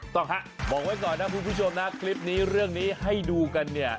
ต้องฮะบอกไว้ก่อนนะคุณผู้ชมนะคลิปนี้เรื่องนี้ให้ดูกันเนี่ย